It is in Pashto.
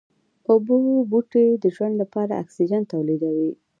اوبو بوټي د ژوند لپاره اکسيجن توليدوي